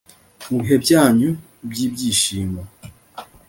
mu bihe byanyu by ibyishimo